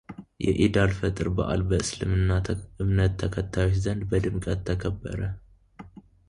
የዒድ አልፈጥር በዓል በእስልምና እምነት ተከታዮች ዘንድ በድምቀት ተከበረ፡፡